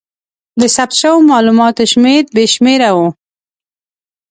د ثبت شوو مالوماتو شمېر بې شمېره و.